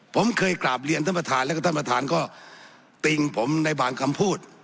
ผมเคยกราบเรียนท่านประธานแล้วก็ท่านประธานก็ติงผมในบางคำพูด